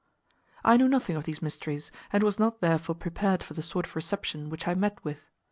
I knew nothing of these mysteries, and was not therefore prepared for the sort of reception which I met with.